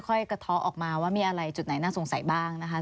กระท้อออกมาว่ามีอะไรจุดไหนน่าสงสัยบ้างนะคะ